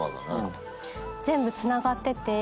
全部つながってて。